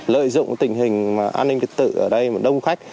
lợi dụng tình hình an ninh tiệt tự ở đây mà đông khách